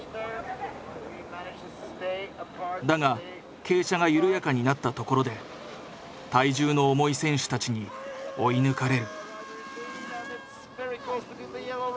だが傾斜が緩やかになったところで体重の重い選手たちに追い抜かれる。